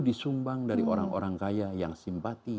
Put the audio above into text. disumbang dari orang orang kaya yang simpati